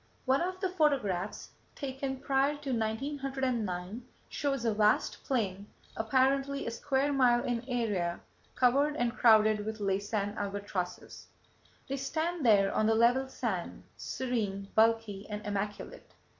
One of the photographs taken prior to 1909 shows a vast plain, apparently a square mile in area, covered and crowded with Laysan albatrosses. They stand there on the level sand, serene, bulky and immaculate.